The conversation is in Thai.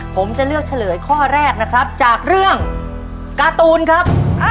ผมจะเลือกเฉลยข้อแรกนะครับจากเรื่องการ์ตูนครับ